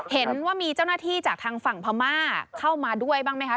เห็นว่ามีเจ้าหน้าที่จากทางฝั่งพม่าเข้ามาด้วยบ้างไหมคะ